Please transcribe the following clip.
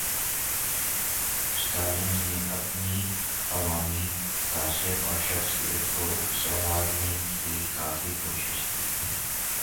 استالن نے اپنے عوامی تاثر اور شخصیت کو سنوارنے کی کافی کوشش کی۔